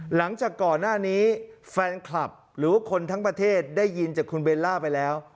หลังจากก่อนหน้านี้แฟนคลับหรือว่าคนทั้งประเทศได้ยินจากคุณเบลล่าไปแล้ว